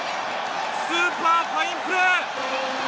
スーパーファインプレー！